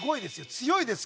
強いです